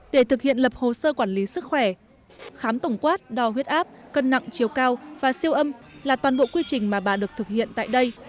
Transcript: để thực hiện lập hồ sơ quản lý sức khỏe khám tổng quát đo huyết áp cân nặng chiều cao và siêu âm là toàn bộ quy trình mà bà được thực hiện tại đây